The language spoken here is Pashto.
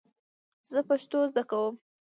زه پښتو زده کوم